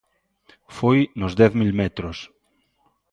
Foi nos dez mil metros.